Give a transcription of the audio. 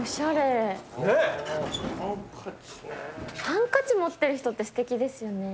ハンカチ持ってる人ってすてきですよね。